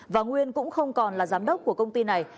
và nguyên cũng không còn là giám đốc của công ty này